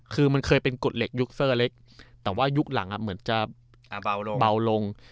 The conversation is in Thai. คือมันเคยเป็นกฎเหล็กยุคเซอร์เล็กแต่ว่ายุคหลังเหมือนจะเบาลง